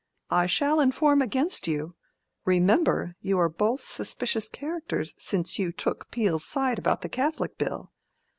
I shall inform against you: remember you are both suspicious characters since you took Peel's side about the Catholic Bill.